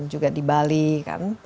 juga di bali kan